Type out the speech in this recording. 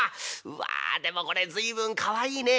うわでもこれ随分かわいいね。